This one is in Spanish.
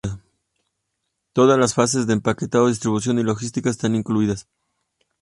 Todas las fases de empaquetado, distribución y logística están incluidas.